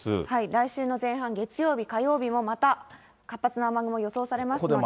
来週の前半、月曜日、火曜日もまた活発な雨雲、予想されますので。